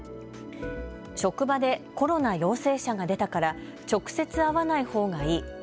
職場でコロナ陽性者が出たから直接会わないほうがいい。